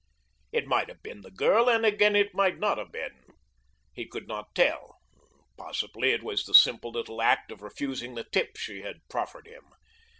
It might have been the girl, and again it might not have been. He could not tell. Possibly it was the simple little act of refusing the tip she had proffered him.